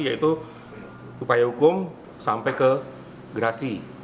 yaitu upaya hukum sampai ke gerasi